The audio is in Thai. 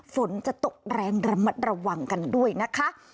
ฝนจะตกแรงระมัดระวังกันด้วยนะคะ